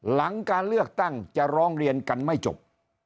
หลังการเลือกตั้งจะร้องเรียนกันไม่จบ